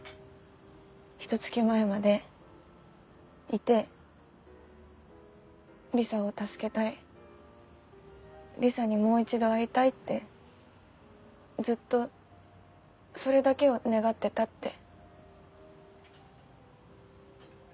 ひと月前までいてリサを助けたいリサにもう一度会いたいってずっとそれだけを願ってたって。